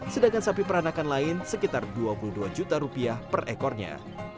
sedangkan sapi peranakan lain sekitar dua puluh dua juta rupiah per ekornya